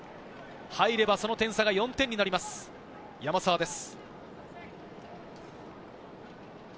入ればその点差が４点になります、山沢です。